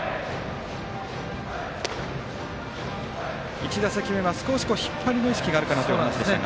１打席目は少し引っ張りの意識があるかもという話でしたが。